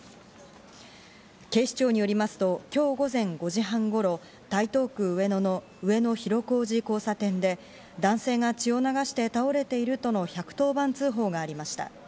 警視庁によりますと今日午前５時半頃、台東区上野の上野広小路交差点で、男性が血を流して倒れているとの１１０番通報がありました。